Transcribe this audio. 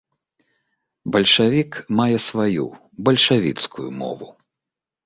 Бальшавік мае сваю бальшавіцкую мову.